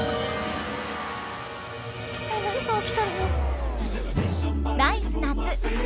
一体何が起きてるの？